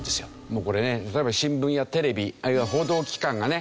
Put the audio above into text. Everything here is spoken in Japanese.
もうこれね例えば新聞やテレビあるいは報道機関がね